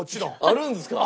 あるんですか！？